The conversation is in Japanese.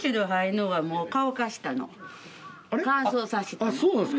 あっそうなんすか？